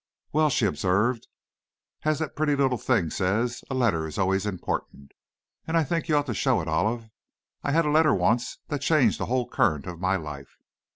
"Well," she observed, "as that pretty little thing says, a letter is always important, and I think you ought to show it, Olive. I had a letter once that changed the whole current of my life!"